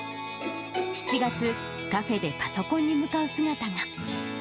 ７月、カフェでパソコンに向かう姿が。